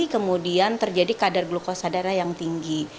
kemudian terjadi kadar glukosa darah yang tinggi